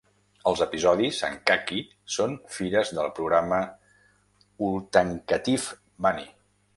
Els episodis en caqui són fires del programa Untalkative Bunny.